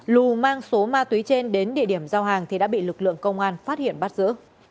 phố ma túy trên đến địa điểm giao hàng thì đã bị lực lượng công an phát hiện bắt giữ